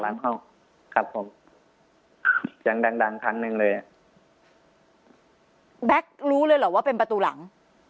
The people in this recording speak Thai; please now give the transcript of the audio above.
เข้าครับผมเสียงดังดังคันหนึ่งเลยอ่ะแบ็ครู้เลยเหรอว่าเป็นประตูหลัง